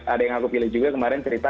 ada yang aku pilih juga kemarin cerita